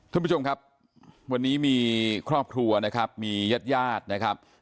ท่านผู้ชมครับวันนี้มีครอบครัวนะครับมีญาติญาตินะครับ